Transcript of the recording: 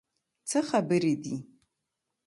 څه خبرې دي؟